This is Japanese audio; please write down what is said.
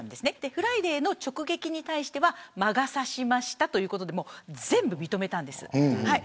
ＦＲＩＤＡＹの直撃に対しては魔が差しましたということで全部、認めたんです。